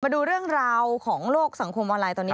มาดูเรื่องราวของโลกสังคมออนไลน์ตอนนี้